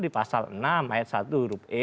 di pasal enam ayat satu huruf e